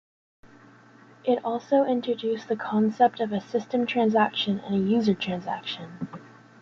It also introduced the concept of a "system transaction" and a "user transaction".